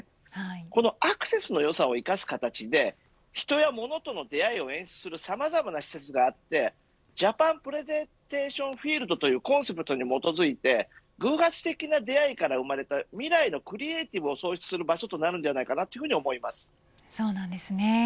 このアクセスのよさを生かす形で人や物との出会いを演出するさまざまな施設があってジャパンプレゼンテーションフィールドというコンセプトに基づいて偶発的な出会いから生まれた未来のクリエイティブを創出する場となりそうです。